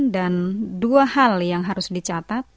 dan dua hal yang harus dicatat